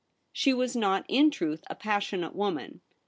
She was not, in truth, a passionate woman.